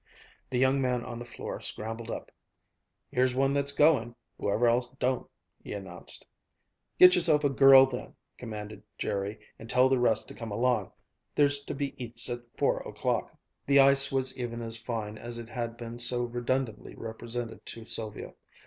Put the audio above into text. The young man on the floor scrambled up. "Here's one that's going, whoever else don't," he announced. "Get yourself a girl, then," commanded Jerry, "and tell the rest to come along. There's to be eats at four o'clock." The ice was even as fine as it had been so redundantly represented to Sylvia.